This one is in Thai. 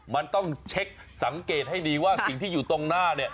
มันต้องเช็คสังเกตให้ดีว่าสิ่งที่อยู่ตรงหน้าเนี่ย